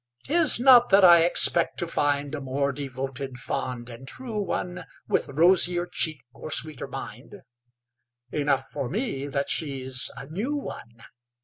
'Tis not that I expect to find A more devoted, fond and true one, With rosier cheek or sweeter mind Enough for me that she's a new one.